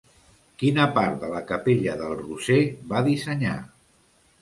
Quina part de la Capella del Roser va dissenyar?